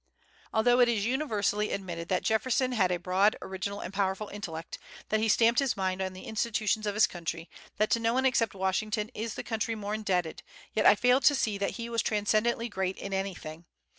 Although it is universally admitted that Jefferson had a broad, original, and powerful intellect, that he stamped his mind on the institutions of his country, that to no one except Washington is the country more indebted, yet I fail to see that he was transcendently great in anything.